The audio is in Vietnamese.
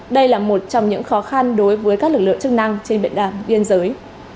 đây là một trong những khó khăn đối với các lực lượng chức năng trên biên đàm biên giới